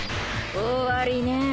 終わりねぇ。